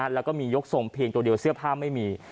แล้วก็มียกทรงเพียงตัวเดียวเสื้อผ้าไม่มี